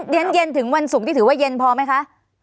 เย็นถึงวันศุกร์ที่ถือว่าเย็นพอไหมคะ